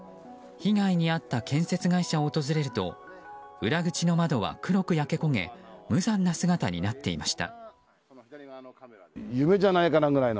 被害に遭った建設会社を訪れると裏口の窓は黒く焼け焦げ無残な姿になっていました。